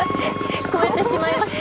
聞こえてしまいました？